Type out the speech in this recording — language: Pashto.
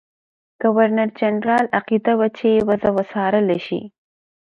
ګورنرجنرال عقیده وه چې وضع وڅارله شي.